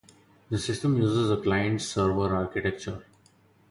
The system uses a client-server architecture.